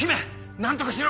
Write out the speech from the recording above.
何とかしろ！